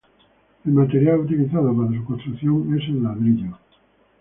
El material utilizado para su construcción es el ladrillo.